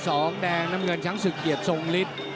เรื่องสนามเงินชั้นสึกเกลียดทรงนิส